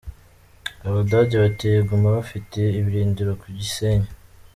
Abadage bateye Goma bafite ibirindiro ku Gisenyi.